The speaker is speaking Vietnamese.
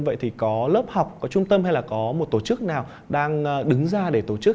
vậy thì có lớp học có trung tâm hay là có một tổ chức nào đang đứng ra để tổ chức